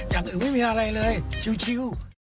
อย่างอื่นไม่มีอะไรเลยชิว